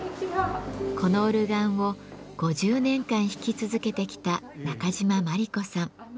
このオルガンを５０年間弾き続けてきた中島萬里子さん。